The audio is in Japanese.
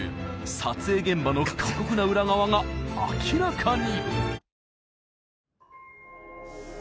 撮影現場の過酷な裏側が明らかに！